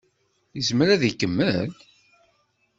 Yezmer ad ikemmel?